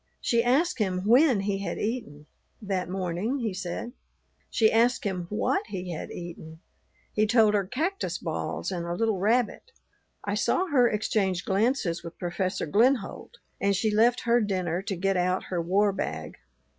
She asked him when he had eaten. That morning, he said. She asked him what he had eaten; he told her cactus balls and a little rabbit. I saw her exchange glances with Professor Glenholdt, and she left her dinner to get out her war bag.